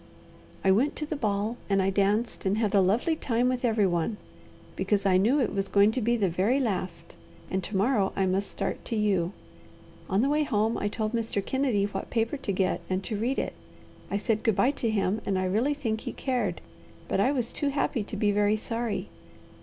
"I went to the ball, and I danced and had a lovely time with every one, because I knew it was going to be the very last, and to morrow I must start to you. "On the way home I told Mr. Kennedy what paper to get and to read it. I said good bye to him, and I really think he cared, but I was too happy to be very sorry.